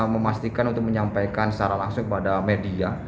memastikan untuk menyampaikan secara langsung kepada media